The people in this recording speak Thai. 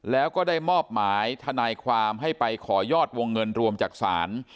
แล้วก็ได้มอบหมายทนายความให้ไปขอยอดวงเงินรวมจากศาล